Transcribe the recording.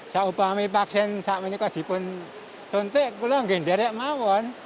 saya mengaku vaksin ini sudah dikonsumsi tapi tidak bisa dikonsumsi